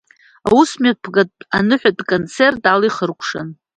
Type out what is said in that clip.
Аусмҩаԥгатә аныҳәатә концерт ала ихыркәшан.